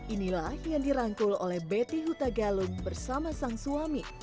inilah yang dirangkul oleh betty hutagalung bersama sang suami